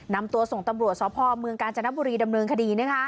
นำตัวส่งตำรวจสพเมืองกาญจนบุรีดำเนินคดี